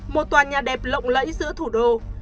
một tòa nhà đẹp lộng lẫy giữa thủ đô